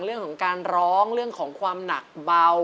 เรื่องของการร้องเรื่องของความหนักเบา